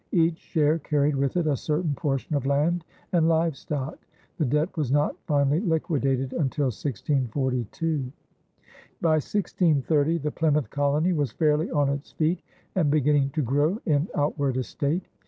Each share carried with it a certain portion of land and livestock. The debt was not finally liquidated until 1642. By 1630, the Plymouth colony was fairly on its feet and beginning to grow in "outward estate."